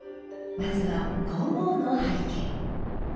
まずは香合の拝見。